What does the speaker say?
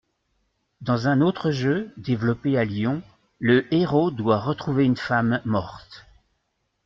Dans un autre jeu, développé à Lyon, le héros doit retrouver une femme morte.